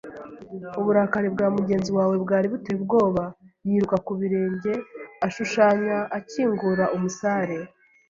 Uburakari bwa mugenzi wawe bwari buteye ubwoba. Yiruka ku birenge, ashushanya akingura umusare